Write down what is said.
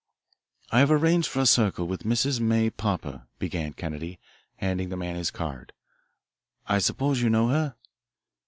"I have arranged for a circle with Mrs. May Popper," began Kennedy, handing the man his card. "I suppose you know her?"